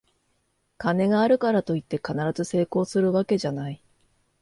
金があるからといって必ず成功するわけじゃない